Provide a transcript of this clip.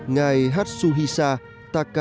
ngài hatsuhisa takashima đại sứ thư ký báo chí